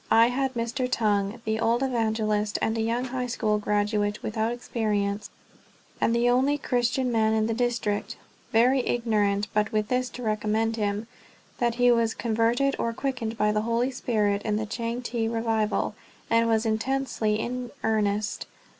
I had Mr. Tung, the old evangelist, and a young high school graduate without experience, and the only Christian man in the district, very ignorant but with this to recommend him, that he was converted or quickened by the Holy Spirit in the Changte revival, and was intensely in earnest.